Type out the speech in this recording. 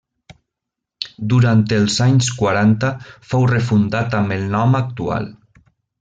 Durant els anys quaranta fou refundat amb el nom actual.